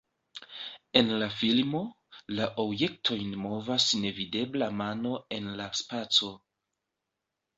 En la filmo, la objektojn movas nevidebla mano en la spaco.